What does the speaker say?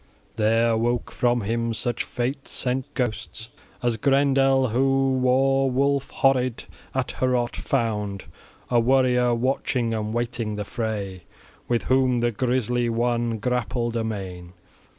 There woke from him such fate sent ghosts as Grendel, who, war wolf horrid, at Heorot found a warrior watching and waiting the fray, with whom the grisly one grappled amain.